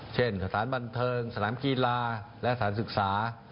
เช่นสถานบันเทิงสนามกีฬาและสถานศึกษา